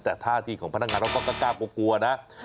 แต่ท่าทีของพนักงานเขาก็กล้ากลัวนะ